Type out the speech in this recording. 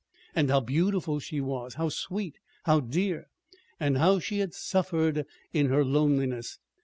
And how beautiful she was! How sweet! How dear! And how she had suffered in her loneliness!